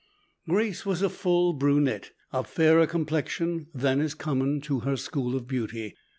Grace was a full brunette, of fairer complexion than is common to her school of beauty.